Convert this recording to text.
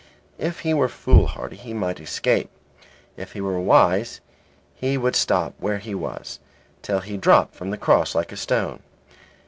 If he were foolhardy he might escape; if he were wise he would stop where he was till he dropped from the cross like a stone.